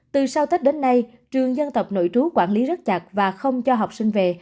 từ sau tết đến nay trường dân tộc nội trú quản lý rất chặt và không cho học sinh về